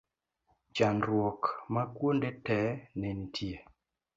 chandruok ma kuonde te ne nitie